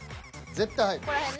絶対入る。